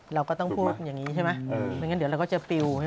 เราก็ต้องพูดอย่างนี้ใช่ไหมไม่งั้นเดี๋ยวเราก็จะปิวใช่ไหม